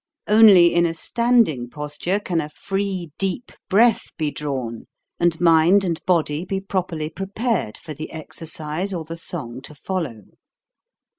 Only in a standing posture can a free, deep breath be drawn, and mind and body be properly pre pared for the exercise or the song to follow.